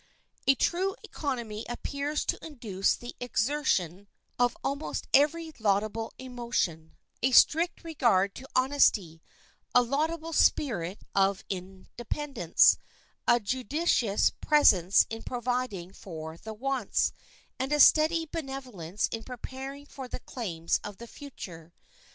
A true economy appears to induce the exertion of almost every laudable emotion; a strict regard to honesty; a laudable spirit of independence; a judicious prudence in providing for the wants, and a steady benevolence in preparing for the claims of the future.